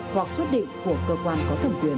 hoặc quyết định của cơ quan có thẩm quyền